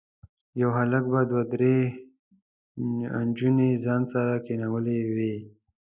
یو هلک به دوه درې نجونې ځان سره کېنولي وي.